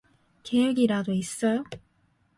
계획이라도 있어요?